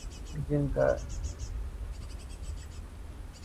جن کا کام ہے۔